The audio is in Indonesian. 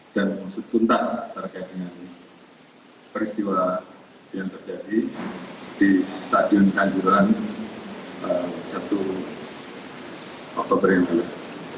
dan punta sebarang peristiwa yang terjadi di stadion kanjuran sabtu oktober yang telah